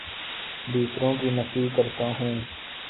دوسروں کے نفی کرتا ہوں